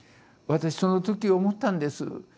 私その時思ったんです。